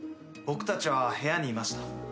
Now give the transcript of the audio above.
僕たちは部屋にいました。